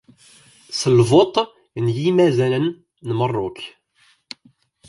S lvuṭ n yimazanen n Merruk.